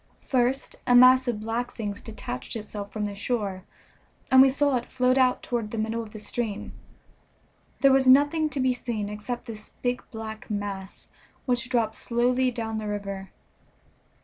First a mass of black things detached itself from the shore, and we saw it float out toward the middle of the stream. There was nothing to be seen except this big black mass, which dropped slowly down the river.